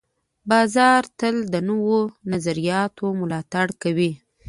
بازار تل د نوو نظریاتو ملاتړ کوي.